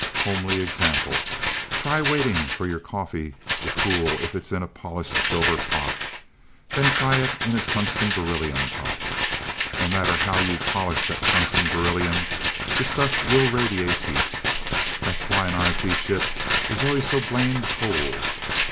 Homely example: Try waiting for your coffee to cool if it's in a polished silver pot. Then try it in a tungsten beryllium pot. No matter how you polish that tungsten beryllium, the stuff WILL radiate heat. That's why an IP ship is always so blamed cold.